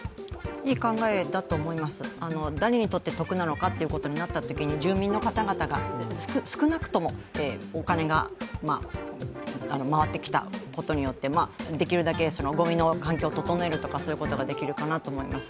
いい考えだと思います、誰にとって得なのかとなったときに住民の方々が、少なくともお金が回ってきたことによってできるだけごみの環境を整えるとかそういうことができるかなと思います。